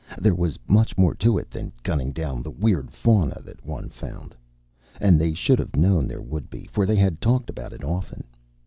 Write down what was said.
There was much more to it than gunning down the weird fauna that one found. And they should have known there would be, for they had talked about it often.